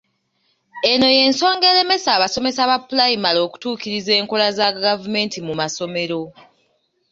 Eno y'ensonga eremesa abasomesa ba pulayimale okutuukiriza enkola za gavumenti mu masomero.